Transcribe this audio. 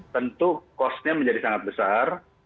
tentu costnya menjadi sangat besar